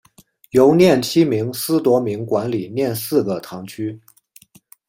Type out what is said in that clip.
由廿七名司铎名管理廿四个堂区。